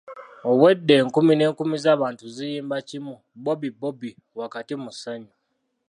Obwedda enkumi n'enkumi z'abantu ziyimba kimu “Bobi Bobi” wakati mu ssanyu.